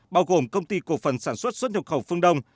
bao gồm công ty cổ phần sản xuất xuất nhập khẩu phương đông